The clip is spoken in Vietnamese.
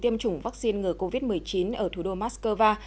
tiêm chủng vắc xin ngừa covid một mươi chín ở thủ đô mắc cơ va